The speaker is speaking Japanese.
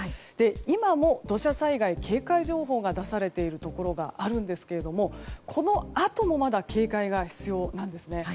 今も土砂災害警戒情報が出されているところがあるんですけれどもこのあともまだ警戒が必要なんですね。